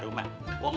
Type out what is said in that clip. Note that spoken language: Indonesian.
ada pembantu baru mak